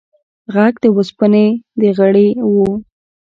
غږ د اوسپنې د غنړې و.